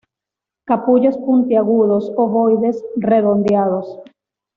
Capullos puntiagudos, ovoides, redondeados.